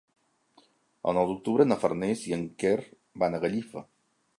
El nou d'octubre na Farners i en Quer van a Gallifa.